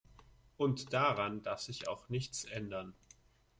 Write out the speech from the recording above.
Und daran darf sich auch nichts ändern.